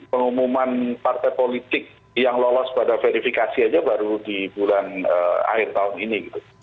pengumuman partai politik yang lolos pada verifikasi aja baru di bulan akhir tahun ini gitu